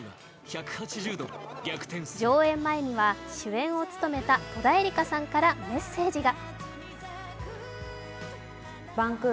上映前には、主演を務めた戸田恵梨香さんからメッセージが。